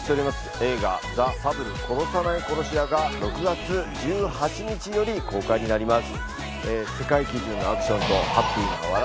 映画『ザ・ファブル殺さない殺し屋』が６月１８日より公開になります。